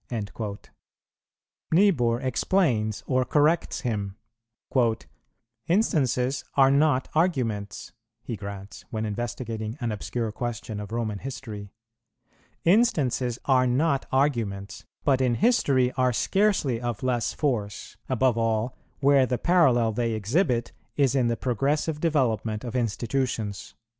"[113:2] Niebuhr explains or corrects him: "Instances are not arguments," he grants, when investigating an obscure question of Roman history, "instances are not arguments, but in history are scarcely of less force; above all, where the parallel they exhibit is in the progressive development of institutions."